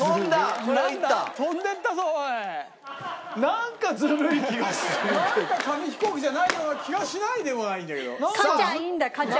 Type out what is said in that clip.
なんか紙飛行機じゃないような気がしないでもないんだけど。